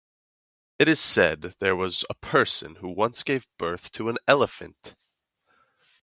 It is said there was a person who once gave birth to an elephant.